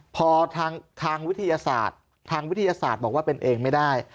พอทางวิทยาศาสตร์ทางวิทยาศาสตร์บอกว่าเป็นเองไม่ได้